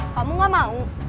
kamu gak mau